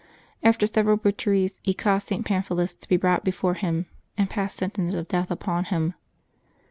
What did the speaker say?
After several butcheries, he caused St Pamphilus to be brought before him, and passed sentence of death upon him.